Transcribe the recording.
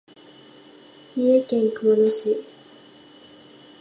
三重県熊野市